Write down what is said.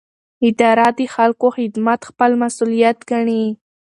اداره د خلکو خدمت خپل مسوولیت ګڼي.